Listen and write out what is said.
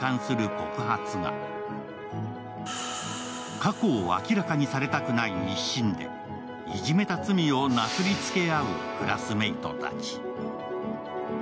過去を明らかにされたくない一心で、いじめた罪をなすりつけ合うクラスメイトたち。